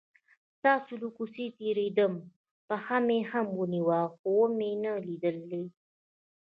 ستاسو له کوڅې تیرېدم، پښه مې هم ونیوه خو ومې نه لیدلې.